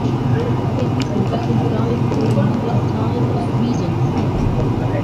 Babies will often cry for a multitude of reasons.